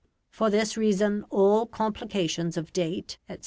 For this reason all complications of date, etc.